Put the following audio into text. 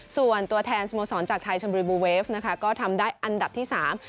ส่วนตัวแทนสโมสรจากไทยชมบุรีบูเวฟนะคะก็ทำได้อันดับที่สาม